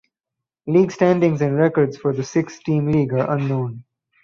League standings and records for the six–team league are unknown.